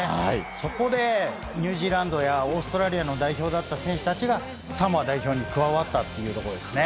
そこでニュージーランドやオーストラリアの代表だった選手たちが、サモア代表に加わったというところですね。